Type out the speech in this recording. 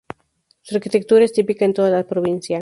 Su arquitectura es típica en toda la provincia.